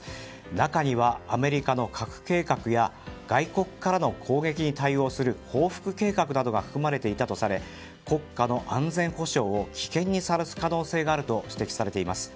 中には、アメリカの核計画や外国からの攻撃に対応する報復計画などが含まれていたとされ国家の安全保障を危険にさらす可能性があると指摘されています。